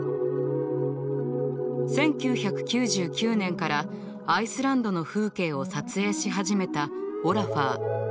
１９９９年からアイスランドの風景を撮影し始めたオラファー。